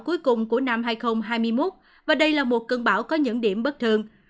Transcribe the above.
cuối cùng của năm hai nghìn hai mươi một và đây là một cơn bão có những điểm bất thường